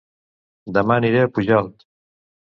Dema aniré a Pujalt